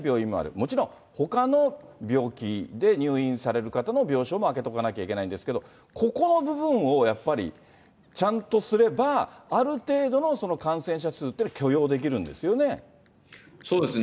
もちろん、ほかの病気で入院される方の病床も開けとかなきゃいけないんですけど、ここの部分をやっぱりちゃんとすれば、ある程度の感染者数というのは許容できるんですよね。